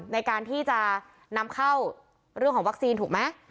ในการที่จะนำเข้าเรื่องของวัคซีนถูกไหม